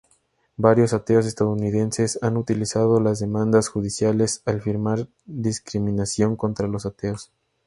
Varios ateos estadounidenses han utilizado las demandas judiciales al afirmar discriminación contra los ateos.